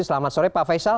selamat sore pak faisal